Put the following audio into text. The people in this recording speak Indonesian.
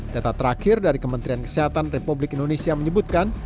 data terakhir dari kementerian kesehatan republik indonesia menyebutkan